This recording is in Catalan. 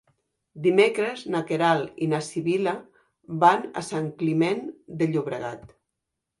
Dimecres na Queralt i na Sibil·la van a Sant Climent de Llobregat.